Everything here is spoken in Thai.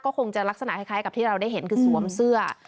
คงจะลักษณะคล้ายกับที่เราได้เห็นคือสวมเสื้อ